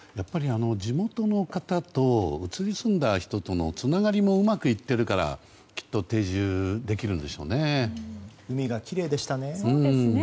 地元の方と移り住んだ人とのつながりもうまくいっているからきっと定住できるんでしょうね。